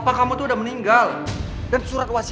aku cuma pengen tahu aja